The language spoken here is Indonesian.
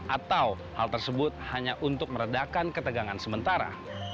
atau hal tersebut hanya untuk meredakan ketegangan sementara